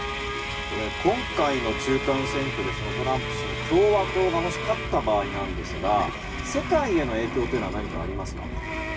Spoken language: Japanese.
今回の中間選挙でトランプ氏の共和党がもし勝った場合なんですが世界への影響というのは何かありますか？